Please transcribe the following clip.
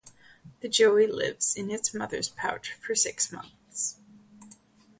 The joey lives in its mother's pouch for six months.